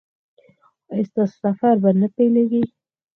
ایا ستاسو سفر به نه پیلیږي؟